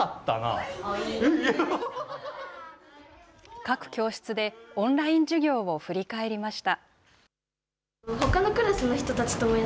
各教室でオンライン授業を振り返りました。